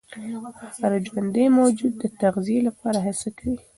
هر ژوندي موجود د تغذیې لپاره هڅه کوي.